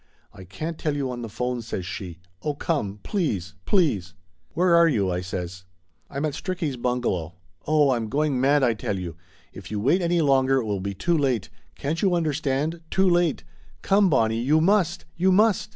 "I can't tell you on the phone," says she. "Oh, come, please, please!" Laughter Limited 297 "Where are you?" I says. "I'm at Stricky's bungalow. Oh, I'm going mad, I tell you. If you wait any longer it will be too late. Can't you understand too late! Come, Bonnie, you must, you must!"